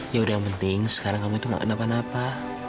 yaudah yang penting sekarang kamu itu gak kenapa napa